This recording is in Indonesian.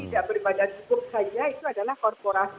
tidak berbadan hukum saja itu adalah korporasi